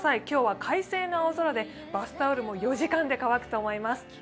今日は快晴の青空でバスタオルも４時間で乾くと思います。